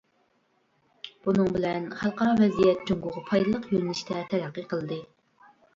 بۇنىڭ بىلەن خەلقئارا ۋەزىيەت جۇڭگوغا پايدىلىق يۆنىلىشتە تەرەققىي قىلدى.